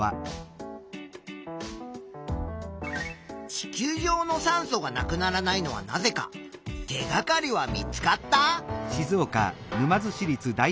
地球上の酸素がなくならないのはなぜか手がかりは見つかった？